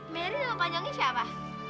merry dalam panjangnya siapa